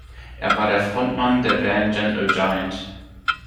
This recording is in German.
Er war der Frontmann der Band Gentle Giant.